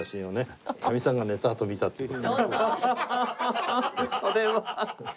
ハハハそれは。